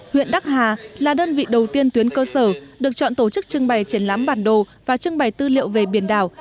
huyện đắc hà là đơn vị đầu tiên tuyến cơ sở được chọn tổ chức trưng bày triển lãm bản đồ và trưng bày tư liệu về biển đảo